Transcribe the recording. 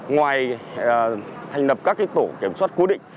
ngoài thành lập các tổ kiểm soát cố định